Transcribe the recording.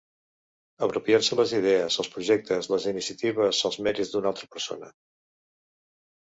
Apropiar-se les idees, els projectes, les iniciatives, els mèrits d'una altra persona.